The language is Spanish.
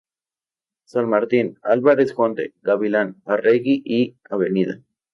San Martín, Álvarez Jonte, Gavilán, Arregui y Av.